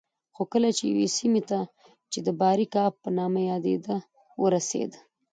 خو کله چې یوې سیمې ته چې د باریکآب په نامه یادېده ورسېدو